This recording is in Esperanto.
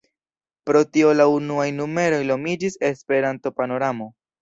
Pro tio la unuaj numeroj nomiĝis "Esperanto-Panoramo".